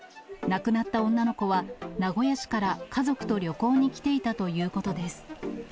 亡くなった女の子は、名古屋市から家族と旅行に来ていたということです。